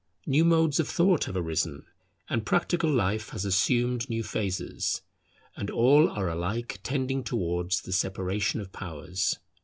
New modes of thought have arisen, and practical life has assumed new phases; and all are alike tending towards the separation of powers.